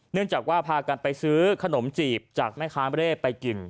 เนื่องจากว่าพากันไปซื้อขนมจีบจากแม่ค้าเร่ไปกิน